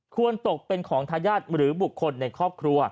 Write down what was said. ตกเป็นของทายาทหรือบุคคลในครอบครัว